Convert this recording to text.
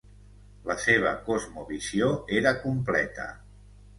La seva cosmovisió era completa